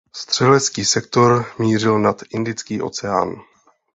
Střelecký sektor mířil nad Indický oceán.